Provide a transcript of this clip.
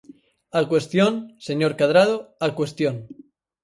Á cuestión, señor Cadrado, á cuestión.